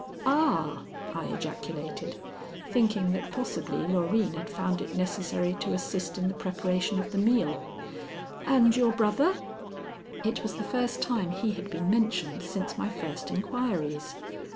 "Ah," I ejaculated, thinking that possibly Loreen had found it necessary to assist in the preparation of the meal, "and your brother?" It was the first time he had been mentioned since my first inquiries.